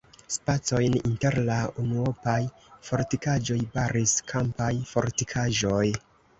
Spacojn inter la unuopaj fortikaĵoj baris kampaj fortikaĵoj.